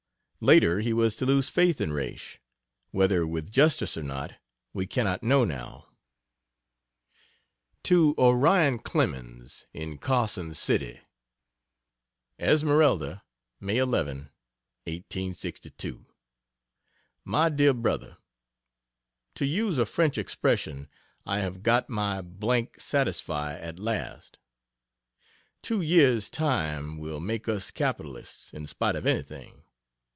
Later he was to lose faith in "Raish," whether with justice or not we cannot know now. To Orion Clowns, in Carson City: ESMERALDA, May 11, 1862. MY DEAR BRO., TO use a French expression I have "got my d d satisfy" at last. Two years' time will make us capitalists, in spite of anything.